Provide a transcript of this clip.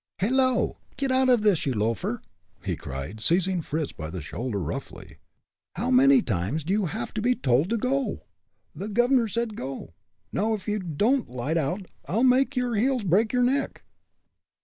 "Hello! get out of this, you loafer!" he cried seizing Fritz by the shoulder, roughly. "How many times do you have to be told to go? The guv'nor said go now, if you don't light out, I'll make your heels break your neck."